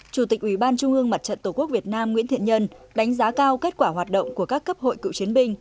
chủ tịch ubnd mặt trận tổ quốc việt nam nguyễn thiện nhân đánh giá cao kết quả hoạt động của các cấp hội cựu chiến binh